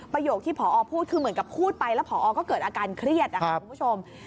ประโยคที่พอพูดคือเหมือนกับพูดไปแล้วพอก็เกิดอาการเครียดนะครับคุณผู้ชม